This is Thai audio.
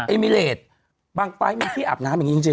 มิเลสบางไฟล์มีที่อาบน้ำอย่างนี้จริง